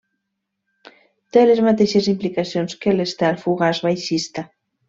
Té les mateixes implicacions que l'Estel fugaç baixista.